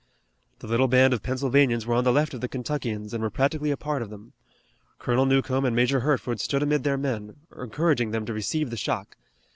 The little band of Pennsylvanians were on the left of the Kentuckians and were practically a part of them. Colonel Newcomb and Major Hertford stood amid their men, encouraging them to receive the shock.